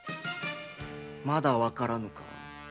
まだわからぬか。